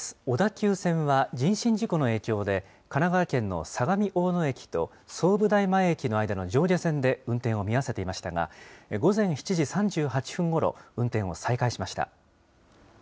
小田急線は人身事故の影響で、神奈川県の相模大野駅と相武台前駅の間の上下線で運転を見合わせていましたが、午前７時３８分ごろ、運転を再開しました。